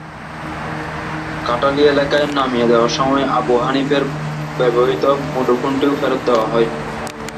কাঁঠালী এলাকায় নামিয়ে দেওয়ার সময় আবু হানিফের ব্যবহূত মুঠোফোনটিও ফেরত দেওয়া হয়।